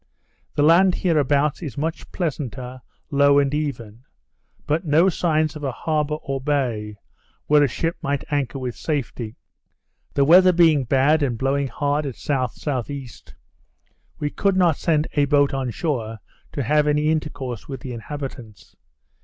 The land hereabouts is much pleasanter, low, and even; but no signs of a harbour or bay, where a ship might anchor with safety. The weather being bad, and blowing hard at S.S.E., we could not send a boat on shore to have any intercourse with the inhabitants.